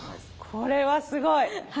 これはすごい。